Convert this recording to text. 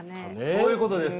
そういうことですか？